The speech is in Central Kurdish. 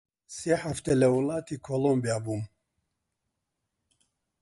سێ حەفتە لە وڵاتی کۆڵۆمبیا بووم